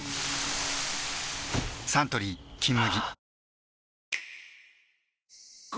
サントリー「金麦」